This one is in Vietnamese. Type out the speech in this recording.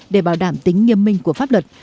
để bảo đảm tính nghiêm minh của pháp luật